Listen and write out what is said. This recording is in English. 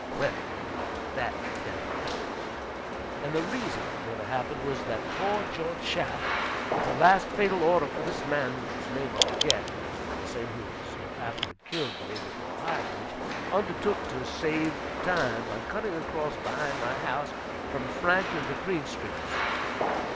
Well, that never happened. And the reason it never happened was, that poor George Schaff, with the last fatal order for this man whose name I forget (the same who was afterward killed the day before High Bridge), undertook to save time by cutting across behind my house, from Franklin to Green Streets.